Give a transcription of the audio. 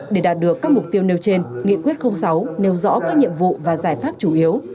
để đạt được các mục tiêu nêu trên nghị quyết sáu nêu rõ các nhiệm vụ và giải pháp chủ yếu